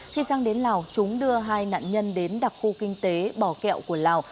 khi sang đến lào chúng đưa hai nạn nhân đến đặc khu kinh tế bò kẹo của lào